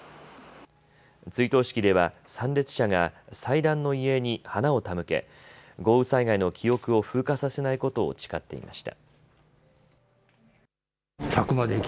追悼式では参列者が祭壇の遺影に花を手向け豪雨災害の記憶を風化させないことを誓っていました。